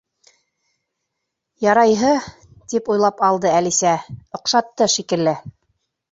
«Ярайһы, —тип уйлап алды Әлисә, —оҡшатты шикелле».